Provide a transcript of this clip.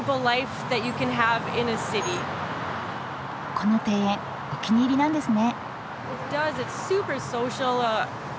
この庭園お気に入りなんですね。